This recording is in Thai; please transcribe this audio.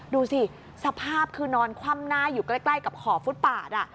ดูสิสภาพคือนอนคว่ำหน้าอยู่ใกล้กับขอบฟุตปาด